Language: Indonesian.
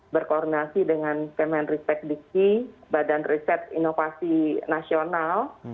berkoordinasi dengan kementerian riset dikti badan riset inovasi nasional